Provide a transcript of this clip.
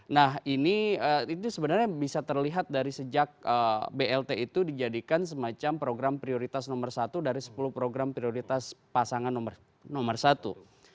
nah ini itu sebenarnya bisa terlihat dari sejak blt itu dijadikan semacam program prioritas nomor satu dari sepuluh program prioritas pasangan nomor satu